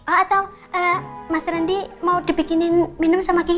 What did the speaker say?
atau mas rendy mau dibikinin minum sama gigi